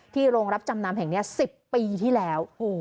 โรงรับจำนำแห่งนี้๑๐ปีที่แล้ว